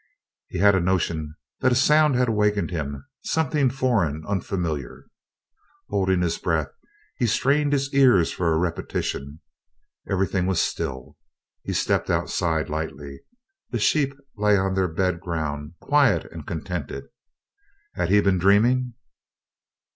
He had a notion that a sound had awakened him, something foreign, unfamiliar. Holding his breath, he strained his ears for a repetition. Everything was still. He stepped outside lightly. The sheep lay on their bed ground, quiet and contented. Had he been dreaming?